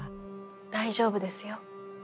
大丈夫ですよ。